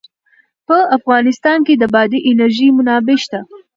په افغانستان کې د بادي انرژي منابع شته.